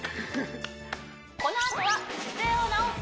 このあとは姿勢を直す